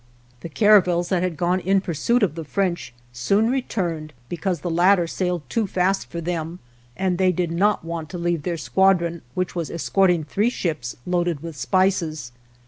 The caravels that had gone in pursuit of the French soon returned because the latter sailed too fast for them and they did not want to leave their squadron, which was es corting three ships loaded with spices.